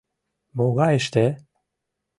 Могайыште?